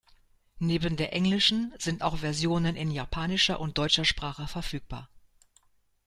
Neben der englischen sind auch Versionen in japanischer und deutscher Sprache verfügbar.